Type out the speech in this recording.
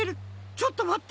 ちょっとまって！